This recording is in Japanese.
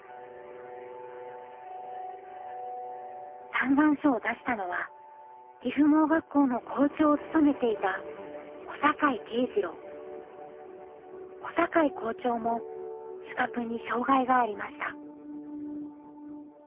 嘆願書を出したのは岐阜盲学校の校長を務めていた小坂井校長も視覚に障害がありました。